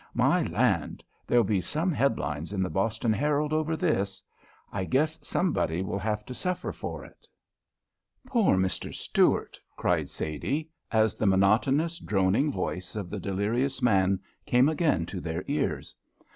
My land, there'll be some headlines in the Boston Herald over this! I guess somebody will have to suffer for it." "Poor Mr. Stuart!" cried Sadie, as the monotonous, droning voice of the delirious man came again to their ears.